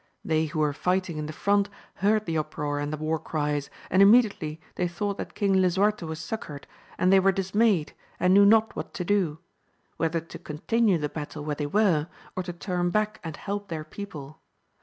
They who were fighting in the front heard the uproar and the war cries, and immediately they thought that King Lisuarte was succoured ; and they were dismayed, and knew not what to do — whether to continue the battle where they were, or to turn back and help their people.